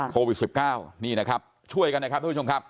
โควิด๑๙นี่นะครับช่วยกันนะครับทุกผู้ชมครับ